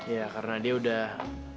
ya karena dia udah